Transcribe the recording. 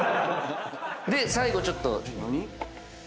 で最後ちょっと。